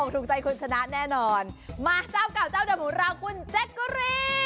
สวัสดีค่ะเจ้าดำหรับคุณเจ๊กุรีย์